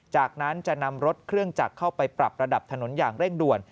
จากนั้นจะนำรถเครื่องจักรเข้าไปปรับระดับถนนอย่างเร่งด่วน